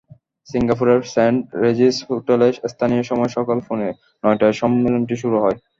সিঙ্গাপুরের Saint Regis হোটেলে স্থানীয় সময় সকাল পৌনে নয়টায় সম্মেলনটি শুরু হয়।